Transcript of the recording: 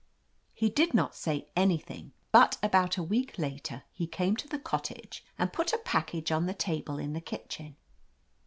He did not say anything, but about a week later he came to the cpttage and put a package on the table in the kitchen.